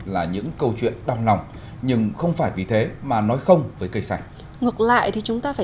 là những câu chuyện đong lòng nhưng không phải vì thế mà nói không với cây xanh